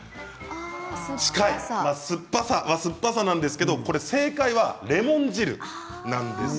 近い酸っぱさなんですけれど、正解はレモン汁なんです。